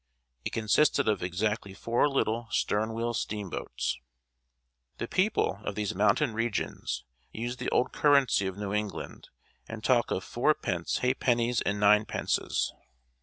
It consisted of exactly four little stern wheel steamboats. The people of these mountain regions use the old currency of New England, and talk of "fourpence ha'pennies" and "ninepences."